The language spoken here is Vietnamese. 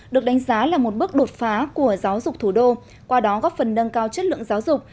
được đánh giá là một bước đột phá của giáo dục thủ đô qua đó góp phần nâng cao chất lượng giáo dục